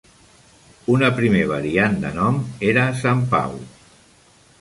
Una primer variant de nom era Sant Pau.